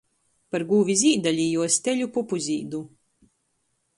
Par gūvi Zīdali i juos teļu Pupuzīdu.